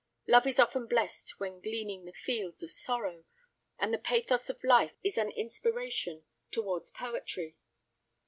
Love is often blessed when gleaning the fields of sorrow, and the pathos of life is an inspiration towards poetry.